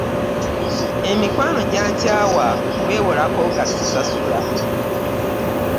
Emikwano gyankyawa kubeewolako nga ssisasula.